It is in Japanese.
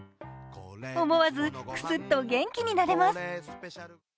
思わず、くすっと元気になれます。